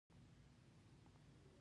سپور پر حیوان بېرته سپور شو.